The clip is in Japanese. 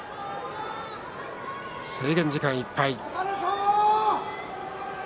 制限時間いっぱいです。